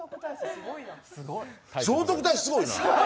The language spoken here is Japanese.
聖徳太子、すごいな！